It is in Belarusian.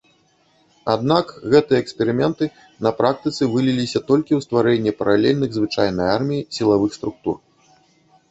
Аднак гэтыя эксперыменты на практыцы выліліся толькі ў стварэнне паралельных звычайнай арміі сілавых структур.